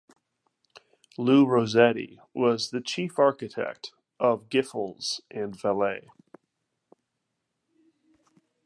Lou Rossetti was the chief Architect of Giffels and Vallet.